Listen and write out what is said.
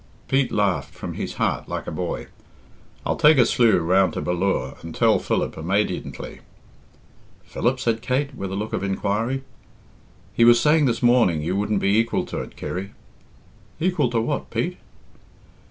Pete laughed from his heart like a boy. "I'll take a slieu round to Ballure and tell Philip immadiently." "Philip?" said Kate, with a look of inquiry. "He was saying this morning you wouldn't be equal to it, Kirry." "Equal to what, Pete?"